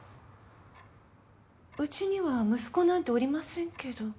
うちには息子なんておりませんけど。